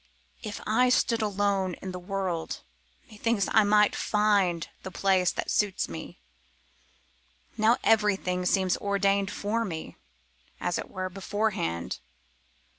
If I stood alone in the world methinks I might find the place that suits me; now everything seems ordained for me, as it were, beforehand.